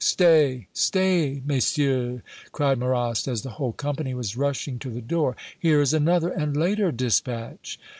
"Stay stay, Messieurs!" cried Marrast, as the whole company was rushing to the door. "Here is another and later dispatch."